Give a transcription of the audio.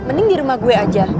mending di rumah gue aja